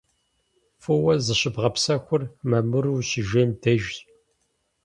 ФӀыуэ зыщыбгъэпсэхур мамыру ущыжейм дежщ.